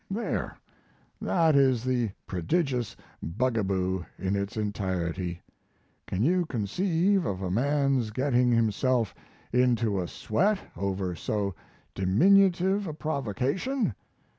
There, that is the prodigious bugaboo in its entirety! Can you conceive of a man's getting himself into a sweat over so diminutive a provocation?